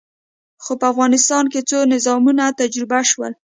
خو په افغانستان کې څو نظامونه تجربه شول.